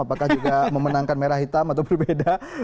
apakah juga memenangkan merah hitam atau berbeda